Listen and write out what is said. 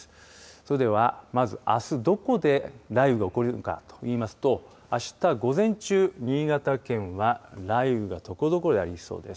それでは、まず、あすどこで雷雨が起こるかといいますと、あした午前中、新潟県は雷雨がところどころでありそうです。